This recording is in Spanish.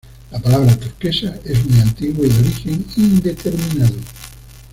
La palabra "turquesa"' es muy antigua y de origen indeterminado.